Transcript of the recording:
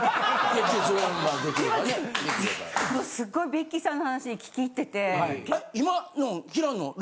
すっごいベッキーさんの話に聞き入ってて。